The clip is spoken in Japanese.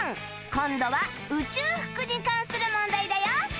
今度は宇宙服に関する問題だよ